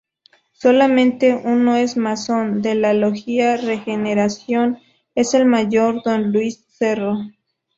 Solamente uno es masón, de la logia Regeneración, es el mayor don Luis Cerro.